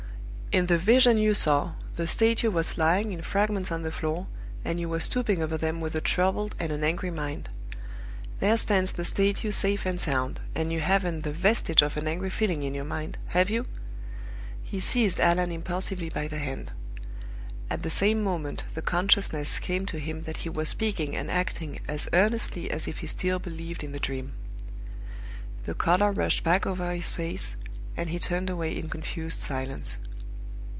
In the vision you saw, the statue was lying in fragments on the floor, and you were stooping over them with a troubled and an angry mind. There stands the statue safe and sound! and you haven't the vestige of an angry feeling in your mind, have you?" He seized Allan impulsively by the hand. At the same moment the consciousness came to him that he was speaking and acting as earnestly as if he still believed in the Dream. The color rushed back over his face, and he turned away in confused silence.